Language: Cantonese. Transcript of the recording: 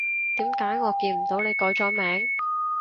點解我見唔到你改咗名？